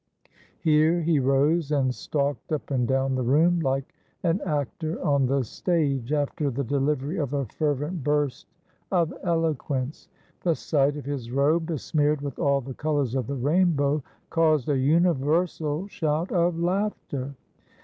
Here he rose and stalked up and down the room like an actor on the stage after the delivery of a fervent burst of eloquence. The sight of his robe, besmeared with all the colors of the rainbow, caused a universal shout of laughter.